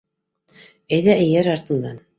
Әйҙә, эйәр артымдан.